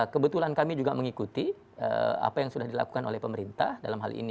kebetulan kami juga mengikuti apa yang sudah dilakukan oleh pemerintah dalam hal ini